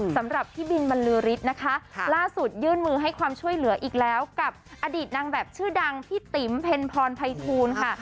สำหรับพี่บินบรรลือฤทธิ์นะคะล่าสุดยื่นมือให้ความช่วยเหลืออีกแล้วกับอดีตนางแบบชื่อดังพี่ติ๋มเพ็ญพรภัยทูลค่ะ